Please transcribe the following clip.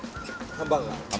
ハンバーガー。